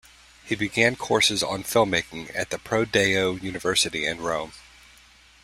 He began courses on filmmaking at the ProDeo University in Rome.